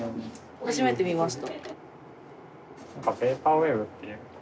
初めて見ました。